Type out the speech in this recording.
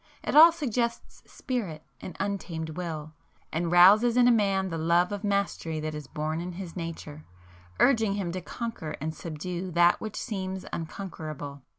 It all suggests spirit, and untamed will; and rouses in a man the love of mastery that is born in his nature, urging him to conquer and subdue that which seems unconquerable.